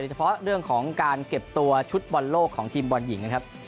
เฉพาะเรื่องของการเก็บตัวชุดบอลโลกของทีมบอลหญิงนะครับ